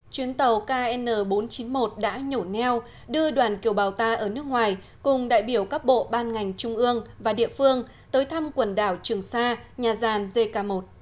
chuyến tàu kn bốn trăm chín mươi một đã nhổ neo đưa đoàn kiều bào ta ở nước ngoài cùng đại biểu các bộ ban ngành trung ương và địa phương tới thăm quần đảo trường sa nhà gian jk một